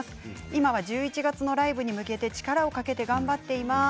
今は１１月のライブに向けて力をかけて頑張っています。